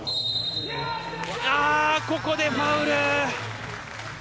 あー、ここでファウル。